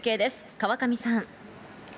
川上さん。